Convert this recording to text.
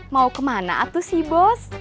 mau ke mana atu si bos